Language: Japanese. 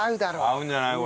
合うんじゃない？